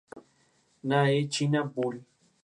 N. E. China; Bull.